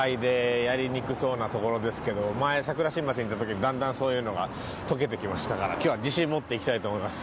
前桜新町に行った時にだんだんそういうのが解けてきましたから今日は自信持っていきたいと思います。